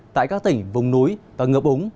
tại các tỉnh bùng núi và ngợp úng